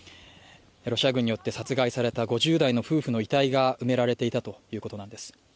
ロシア軍によって殺害された５０代の夫婦の遺体が埋められていたということなんです。